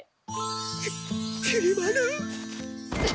きっきり丸。